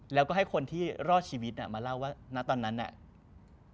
แล้วก็ให้คนที่รอดชีวิตมาเล่าว่าณตอนนั้นน่ะ